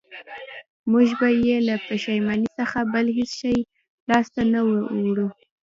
موږ به بې له پښېمانۍ څخه بل هېڅ شی لاسته را نه وړو